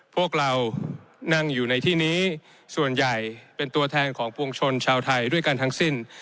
พวกเรานั่งอยู่ในที่นี้ส่วนใหญ่เป็นตัวแทนของปวงชนชาวไทยด้วยกันทั้งสิ้น